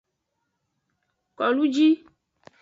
Koluji.